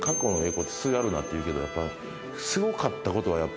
っていうけどやっぱ。